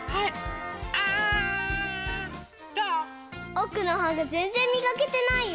おくのはがぜんぜんみがけてないよ！